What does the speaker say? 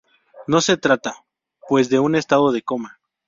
No se trata, pues, de un estado de coma.